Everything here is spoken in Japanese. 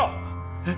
えっ？